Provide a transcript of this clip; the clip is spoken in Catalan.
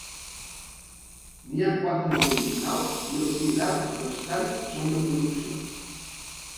N'hi ha quatre d'originals i els sis arcs restants són reproduccions.